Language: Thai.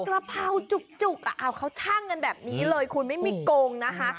กระเพราจุกเขาชั่งกันแบบนี้เลยคุณไม่มีโกงนะคะ